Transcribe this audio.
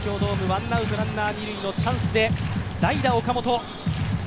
ワンアウトランナー、二塁のチャンスで代打・岡本。